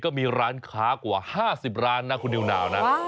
ก็มีร้านค้ากว่า๕๐ร้านนะคุณนิวนาวนะ